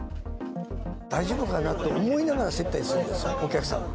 大丈夫かな？と思いながら、接待するんです、お客さんを。